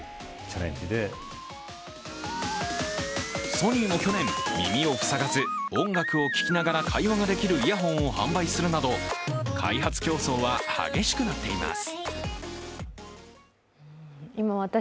ソニーも去年、耳を塞がず音楽を聴きながら会話ができるイヤホンを販売するなど開発競争は激しくなっています。